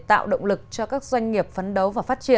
tạo động lực cho các doanh nghiệp phấn đấu